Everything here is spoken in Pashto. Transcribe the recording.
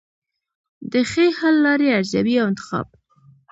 د ښې حل لارې ارزیابي او انتخاب.